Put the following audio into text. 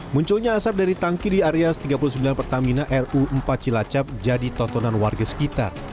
munculnya asap dari tangki di area tiga puluh sembilan pertamina ru empat cilacap jadi tontonan warga sekitar